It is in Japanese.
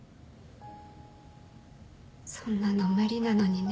そんなの無理なのにね。